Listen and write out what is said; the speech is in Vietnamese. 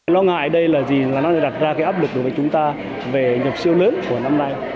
lo ngại đây là gì là nó đặt ra cái áp lực đối với chúng ta về nhập siêu lớn của năm nay